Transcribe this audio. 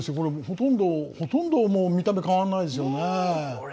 ほとんど、見た目変わらないですよね。